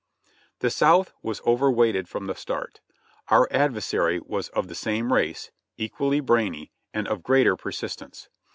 The South was overweighted from the start. Our adversary was of the same race, equally brainy, and of greater persistence.